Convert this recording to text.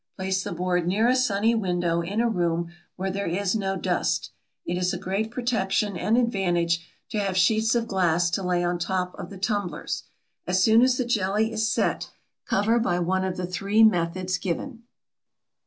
Place the board near a sunny window in a room where there is no dust. It is a great protection and advantage to have sheets of glass to lay on top of the tumblers. As soon as the jelly is set cover by one of the three methods given.